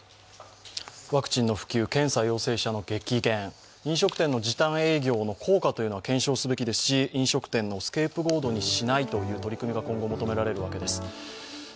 ワクチンの普及検査陽性者の激減飲食店の時短営業の効果は検証すべきですし、飲食店をスケープゴートにしないという取り組みも今後求められるわけです。